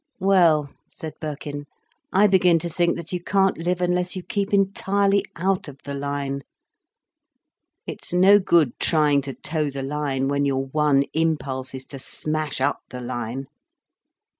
"Well," said Birkin, "I begin to think that you can't live unless you keep entirely out of the line. It's no good trying to toe the line, when your one impulse is to smash up the line.